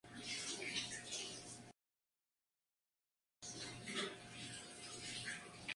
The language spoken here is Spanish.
Estas convenciones se usan en combinatoria.